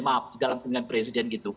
maaf di dalam pemilihan presiden gitu